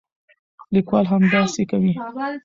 لیکوال همداسې کوي.